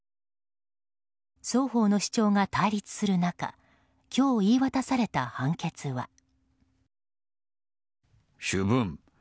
双方の主張が対立する中今日言い渡された判決は。